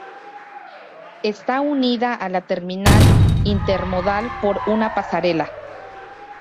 Está unida a la Terminal Intermodal por una pasarela.